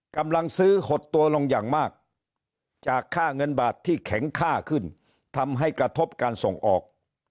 กำลังซื้อหดตัวลงอย่างมากจากค่าเงินบาทที่แข็งค่าขึ้นทำให้กระทบการส่งออก